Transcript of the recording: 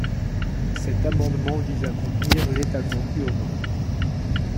Cet amendement vise à contenir l’étalement urbain.